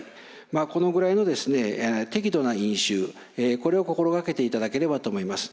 まあこのぐらいの適度な飲酒これを心掛けていただければと思います。